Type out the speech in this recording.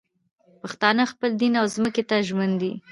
پښتانه خپل دین او ځمکې ته ژمن دي